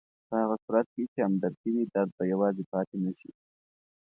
په هغه صورت کې چې همدردي وي، درد به یوازې پاتې نه شي.